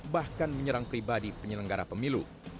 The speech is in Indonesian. bahkan menyerang pribadi penyelenggara pemilu